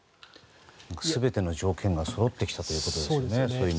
全ての条件がそろっていたということですね。